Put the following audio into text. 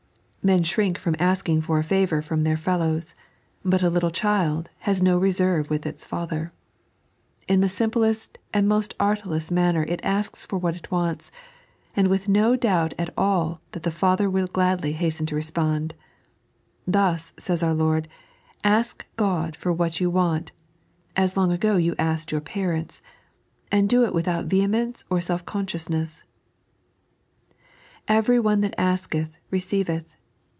Men shrink from asking for a favour from their fellows, but a little child has no reserve with its father. In the simplest and most artless manner it asks for what it wants, and with no doubt at all that the father will gladly hasten to respond, "Thus," says our Lord, " ask God for what you want, as long ago you asked your parents; and do it without vehemence or self conscious " Every one that asketh receiveth."